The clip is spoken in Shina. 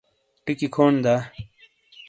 ٹکی کھون دا